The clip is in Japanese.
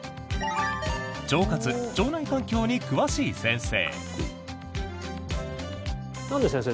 腸活、腸内環境に詳しい先生。